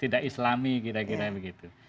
tidak islami kira kira begitu